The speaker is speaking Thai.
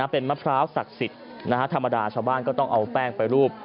เป็นมะพร้าวศักดิ์สิทธิ์ธรรมดาชาวบ้านก็ต้องเอาแป้งไปรูป